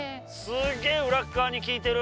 すげえ裏っ側に効いてる。